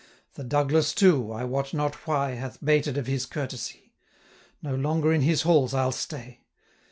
1030 The Douglas, too, I wot not why, Hath 'bated of his courtesy: No longer in his halls I'll stay.'